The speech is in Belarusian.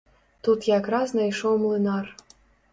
Тут якраз найшоў млынар.